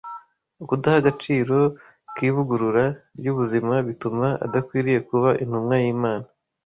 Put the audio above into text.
Ukudaha agaciro k’ivugurura ry’ubuzima bituma adakwiriye kuba intumwa y’Imana.